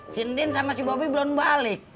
sintin sama si bobby belum balik